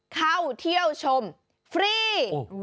เข้าเที่ยวชมฟรี